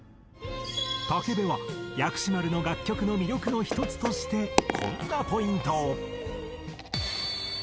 武部は薬師丸の楽曲の魅力の一つとしてこんなポイントを。